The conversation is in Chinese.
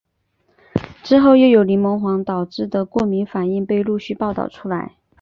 之后又有柠檬黄导致的过敏反应被陆续报道出来。